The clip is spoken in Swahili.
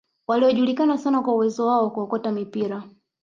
waliojulikana sana kwa uwezo wao wa kukokota mipira